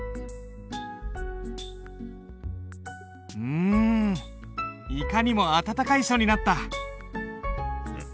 うんいかにも温かい書になった。